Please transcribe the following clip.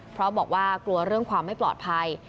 เพราะบอกว่ากลัวเรื่องความไม่ปลอดภัย